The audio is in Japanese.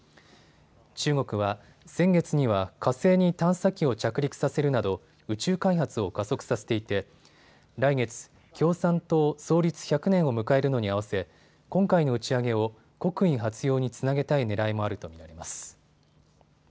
中国は、先月には火星に探査機を着陸させるなど宇宙開発を加速させていて来月、共産党創立１００年を迎えるのに合わせ今回の打ち上げを国威発揚につなげたいねらいもあると見ています。